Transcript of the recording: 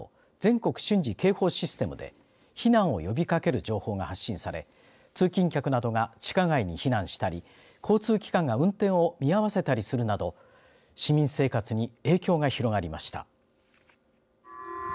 全国瞬時警報システムで避難を呼びかける情報が発信され通勤客などが地下街に避難したり交通機関が運転を見合わせたりするなど市民生活に影響が広がりました。